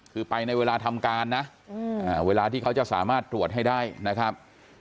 คือไปในเวลาทำการนะเวลาที่เขาจะสามารถตรวจให้ได้นะครับ